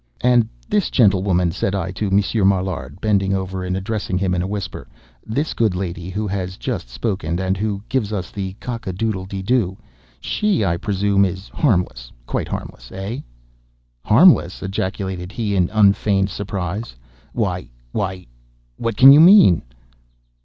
"And this gentlewoman," said I, to Monsieur Maillard, bending over and addressing him in a whisper—"this good lady who has just spoken, and who gives us the cock a doodle de doo—she, I presume, is harmless—quite harmless, eh?" "Harmless!" ejaculated he, in unfeigned surprise, "why—why, what can you mean?"